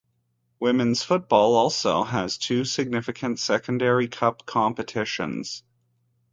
Women's football also has two significant secondary cup competitions.